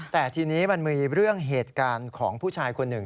แต่ทีนี้มันมีเรื่องเหตุการณ์ของผู้ชายคนหนึ่ง